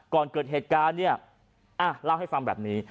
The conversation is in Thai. ก่อนเกิดเหตุการณ์เนี่ยเล่าให้ฟังแบบนี้